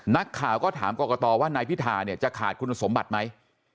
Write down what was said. นักข่าวก็ถามกรกตว่านายพิธาเนี่ยจะขาดคุณสมบัติไหม